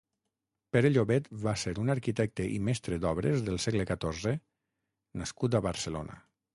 Pere Llobet va ser un arquitecte i mestre d'obres del segle catorze nascut a Barcelona.